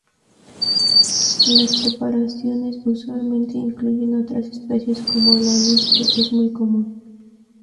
Las preparaciones usualmente incluyen otras especias como el anís, que es muy común.